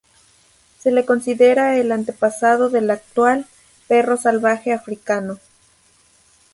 Se le considera el antepasado del actual "perro salvaje africano".